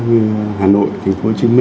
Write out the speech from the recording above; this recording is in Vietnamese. như hà nội tp hcm